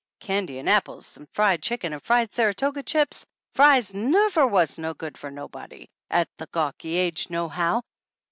Candy and apples and fried chicken and fried Saratoga chips! Fries nuvver was no good for nobody 34 THE ANNALS OF ANN at the gawky age, nohow.